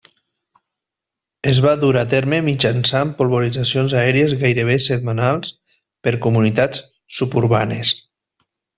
Es va dur a terme mitjançant polvoritzacions aèries gairebé setmanals per comunitats suburbanes.